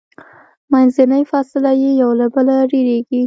منځنۍ فاصله یې یو له بله ډیریږي.